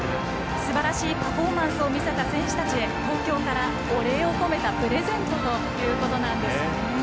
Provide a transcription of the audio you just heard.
すばらしいパフォーマンスを見せた選手たちへ東京からお礼を込めたプレゼントということなんですね。